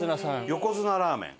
横綱ラーメン？